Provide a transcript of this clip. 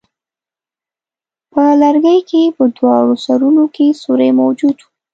په لرګي کې په دواړو سرونو کې سوری موجود وو.